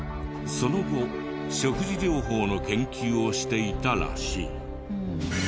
その後食餌療法の研究をしていたらしい。